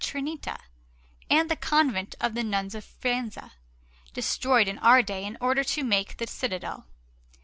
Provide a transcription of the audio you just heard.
Trinita, and the Convent of the Nuns of Faenza, destroyed in our day in order to make the citadel.